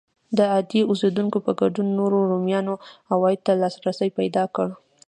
د عادي اوسېدونکو په ګډون نورو رومیانو عوایدو ته لاسرسی پیدا کړ.